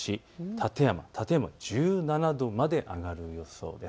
館山は１７度まで上がる予想です。